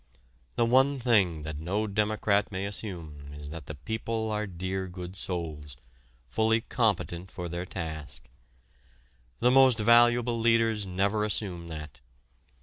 The one thing that no democrat may assume is that the people are dear good souls, fully competent for their task. The most valuable leaders never assume that.